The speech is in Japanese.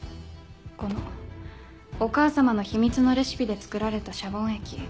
このお母さまの秘密のレシピで作られたシャボン液。